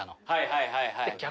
はいはいはいはい。